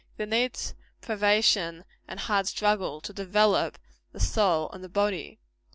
There needs privation and hard struggle, to develope the soul and the body.